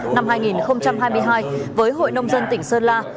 năm hai nghìn hai mươi hai với hội nông dân tỉnh sơn la